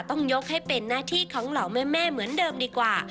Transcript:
ต้องยกให้เป็นหน้าที่ของเหล่าแม่เหมือนเดิมดีกว่า